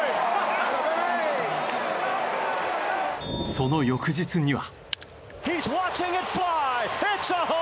その翌日には。